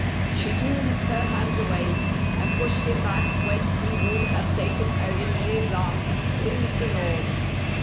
She drew her hands away, and pushed him back when he would have taken her in his arms, wings and all.